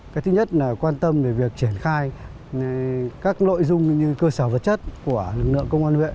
cái thứ nhất là quan tâm về việc triển khai các nội dung như cơ sở vật chất của lực lượng công an huyện